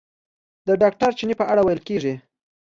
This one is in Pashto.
د ډاکټر چیني په اړه ویل کېږي.